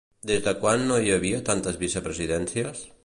Des de quan no hi havia tantes vicepresidències?